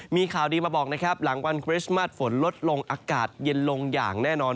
มีข่าวดีมาบอกนะครับหลังวันคริสต์มัสฝนลดลงอากาศเย็นลงอย่างแน่นอน